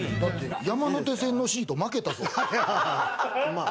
山手線のシート負けたぞ。